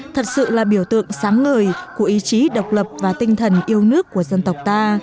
thật sự là biểu tượng sáng ngời của ý chí độc lập và tinh thần yêu nước của dân tộc ta